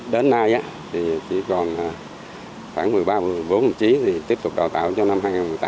đến nay thì chỉ còn khoảng một mươi ba một mươi bốn hợp chí thì tiếp tục đào tạo cho năm hai nghìn một mươi tám hai nghìn một mươi chín